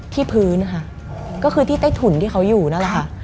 พื้นค่ะก็คือที่ใต้ถุนที่เขาอยู่นั่นแหละค่ะ